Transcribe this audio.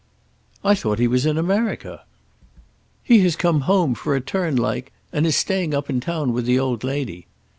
"I thought he was in America." "He has come home, for a turn like, and is staying up in town with the old lady."